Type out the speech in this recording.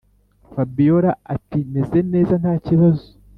fabiora ati”meze neza ntakibazo”